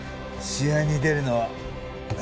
試合に出るのは友部だ。